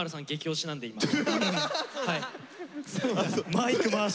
マイク回してる。